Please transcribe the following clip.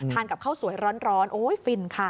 กับข้าวสวยร้อนโอ้ยฟินค่ะ